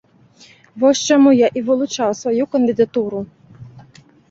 Вось чаму я і вылучыў сваю кандыдатуру.